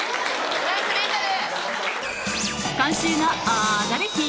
ナイスメンタル！